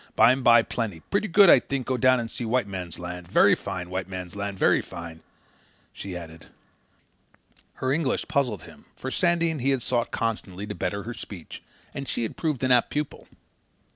Bime by, plenty. Pretty good, I think, go down and see White Man's Land. Very fine, White Man's Land, very fine," she added. Her English puzzled him, for Sandy and he had sought, constantly, to better her speech, and she had proved an apt pupil.